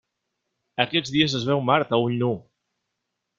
Aquests dies es veu Mart a ull nu.